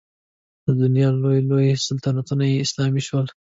د دنیا لوی لوی سلطنتونه یې سلامي شول.